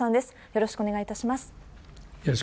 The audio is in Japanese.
よろしくお願いします。